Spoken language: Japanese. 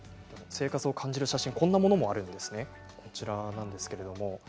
生活を感じる写真こんなものもあります。